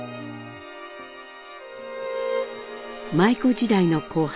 舞妓時代の後輩